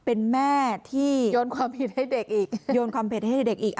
เป็นแม่ที่โยนความผิดให้เด็กอีกโยนความผิดให้เด็กอีก